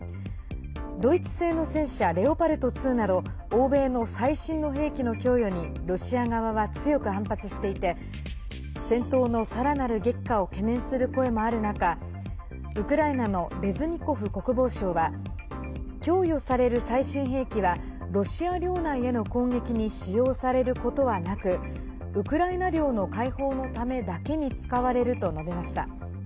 ドイツ製の戦車レオパルト２など欧米の最新の兵器の供与にロシア側は強く反発していて戦闘の、さらなる激化を懸念する声もある中ウクライナのレズニコフ国防相は供与される最新兵器はロシア領内への攻撃に使用されることはなくウクライナ領の解放のためだけに使われると述べました。